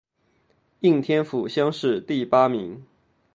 应天府乡试第八名。